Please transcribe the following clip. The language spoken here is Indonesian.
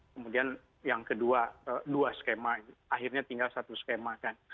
kemudian yang kedua dua skema akhirnya tinggal satu skema kan